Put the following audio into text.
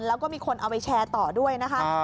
แล้วก็มีคนเอาไปแชร์ต่อด้วยนะคะ